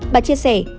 bà chia sẻ